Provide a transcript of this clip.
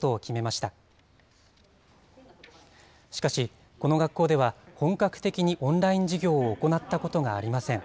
しかし、この学校では、本格的にオンライン授業を行ったことがありません。